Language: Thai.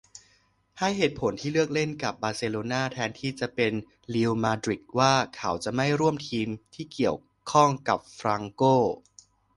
ให้เหตุผลที่เลือกเล่นกับบาร์เซโลนาแทนที่จะเป็นรีลมาดริดว่า เขาจะไม่ร่วมทีมที่เกี่ยวข้องกับฟรังโก